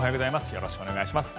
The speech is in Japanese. よろしくお願いします。